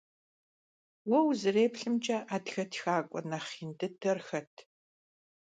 Vue vuzerêplhımç'e, adıge txak'ue nexh yin dıder xet?